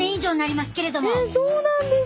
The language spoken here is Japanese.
ええそうなんです。